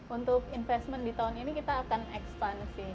untuk investment di tahun ini kita akan ekspansi